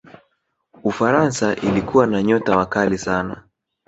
ufaransa ilikuwa na nyota wakali sana